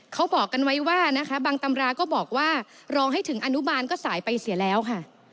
เขาบอกกันไว้ว่านะคะบางตำราก็บอกว่ารองให้ถึงอนุบาลก็สายไปเสียแล้วค่ะ